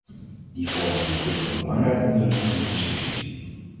Die vormden natuurlijk een belangrijk onderdeel van de discussies.